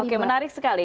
oke menarik sekali